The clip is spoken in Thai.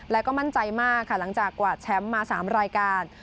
และก็มั่นใจมากค่ะหลังจากกวาดแชมป์มา๓รายการ